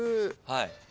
はい。